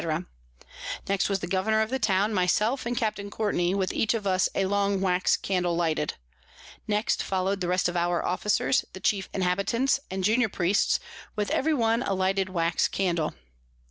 _ Next was the Governour of the Town, my self, and Capt. Courtney, with each of us a long Wax Candle lighted: Next follow'd the rest of our Officers, the chief Inhabitants, and junior Priests, with every one a lighted Wax Candle.